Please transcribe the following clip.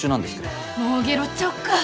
もうゲロっちゃおうか。